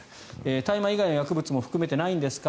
大麻以外の薬物も含めてないんですか。